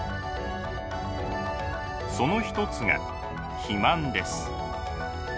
その一つが肥満です。